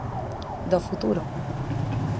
Do futuro.